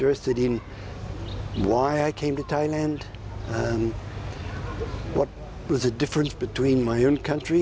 ครูและหัวหน้าเมย์อย่างเกี่ยวข้างใจที่ทำให้เรามาเที่ยงไทย